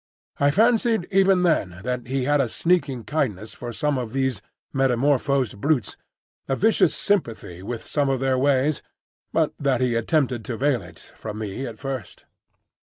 I fancied even then that he had a sneaking kindness for some of these metamorphosed brutes, a vicious sympathy with some of their ways, but that he attempted to veil it from me at first.